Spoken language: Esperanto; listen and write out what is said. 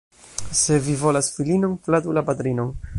Se vi volas filinon, flatu la patrinon.